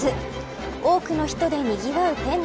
多くの人で、にぎわう店内。